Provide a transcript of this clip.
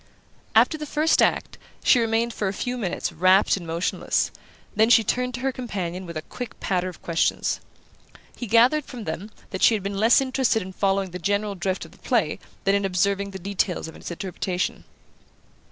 After the first act she remained for a few minutes rapt and motionless; then she turned to her companion with a quick patter of questions. He gathered from them that she had been less interested in following the general drift of the play than in observing the details of its interpretation.